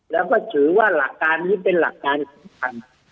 แล้วก็ถือว่าหลักการนี้เป็นหลักการสำคัญ